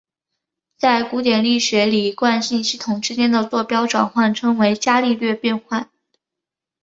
在古典力学里惯性系统之间的座标转换称为伽利略变换。